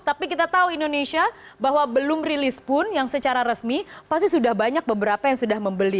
tapi kita tahu indonesia bahwa belum rilis pun yang secara resmi pasti sudah banyak beberapa yang sudah membeli